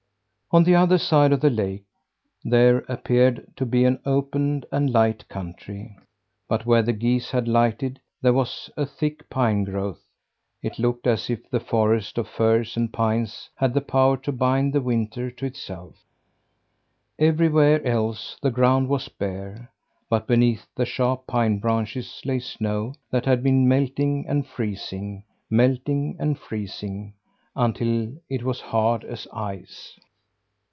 On the other side of the lake there appeared to be an open and light country, but where the geese had lighted there was a thick pine growth. It looked as if the forest of firs and pines had the power to bind the winter to itself. Everywhere else the ground was bare; but beneath the sharp pine branches lay snow that had been melting and freezing, melting and freezing, until it was hard as ice.